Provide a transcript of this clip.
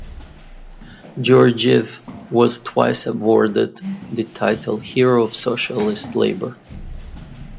Georgiev was twice awarded the title Hero of Socialist Labour.